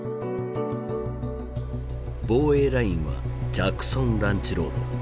防衛ラインはジャクソン・ランチ・ロード。